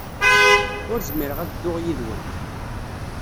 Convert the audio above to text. Ur zmireɣ ad dduɣ yid-went.